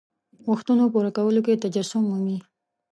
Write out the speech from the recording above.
غوښتنو پوره کولو کې تجسم مومي.